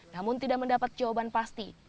namun tidak mendapat jawaban pasti